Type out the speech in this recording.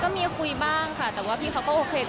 ก็มีคุยบ้างค่ะแต่ว่าพี่เขาก็โอเค